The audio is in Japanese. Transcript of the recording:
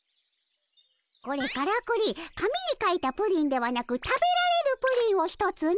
これからくり紙に書いたプリンではなく食べられるプリンを１つの。